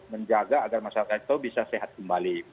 menjaga agar masyarakat itu bisa sehat kembali